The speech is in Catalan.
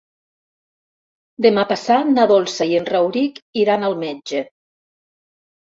Demà passat na Dolça i en Rauric iran al metge.